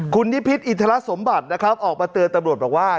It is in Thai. คุณนิพิษอิทธิละสมบัติออกมาเตือนตำรวจบอกว่า